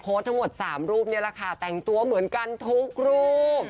ทั้งหมด๓รูปนี่แหละค่ะแต่งตัวเหมือนกันทุกรูป